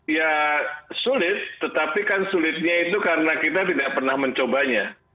ya sulit tetapi kan sulitnya itu karena kita tidak pernah mencobanya